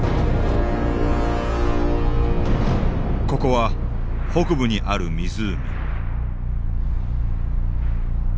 ここは北部にある湖